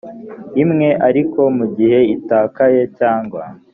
imwe ariko mu gihe itakaye cyangwa